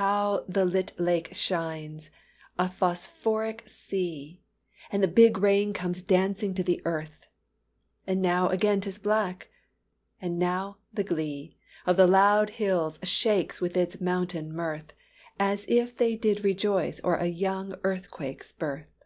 How the lit lake shines, a phosphoric sea, And the big rain comes dancing to the earth! And now again 'tis black and now, the glee, Of the loud hills shakes with its mountain mirth, As if they did rejoice o'er a young earthquake's birth."